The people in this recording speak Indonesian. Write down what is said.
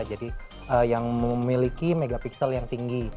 jadi yang memiliki megapiksel yang tinggi